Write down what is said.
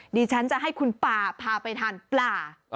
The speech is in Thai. ดิฉันจะให้คุณป่าพาไปทานปลา